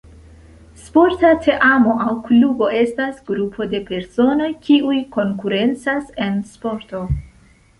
Sporta teamo aŭ klubo estas grupo de personoj kiuj konkurencas en sporto.